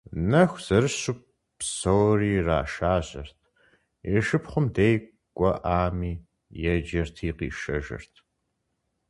Нэху зэрыщу псори иришажьэрт, и шыпхъум дей кӀуэӀами, еджэрти къишэжырт.